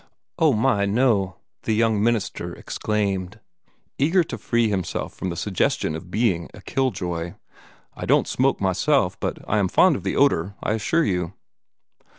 "Oh, my, no!" the young minister exclaimed, eager to free himself from the suggestion of being a kill joy. "I don't smoke myself; but I am very fond of the odor, I assure you."